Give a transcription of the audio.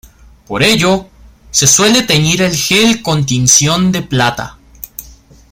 Por ello, se suele teñir el gel con tinción de plata.